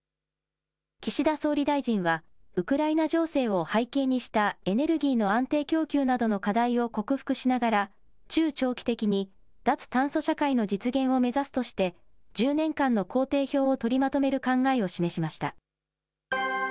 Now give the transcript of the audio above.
岸田総理大臣はウクライナ情勢を背景にしたエネルギーの安定供給などの課題を克服しながら、中長期的に脱炭素社会の実現を目指すとして、１０年間の工程表を取りまとめる考えを示しました。